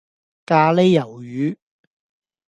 咖哩魷魚